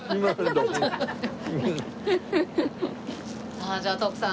さあじゃあ徳さん。